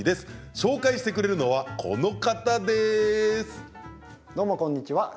紹介してくださるのはこの方です。